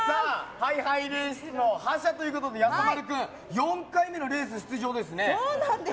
ハイハイレースの覇者ということで、やさまる君４回目のレース出場ですね。